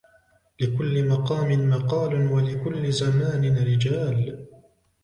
لكل مقام مقال ولكل زمان رجال.